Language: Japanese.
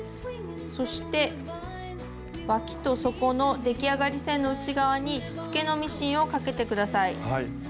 そしてわきと底の出来上がり線の内側にしつけのミシンをかけてください。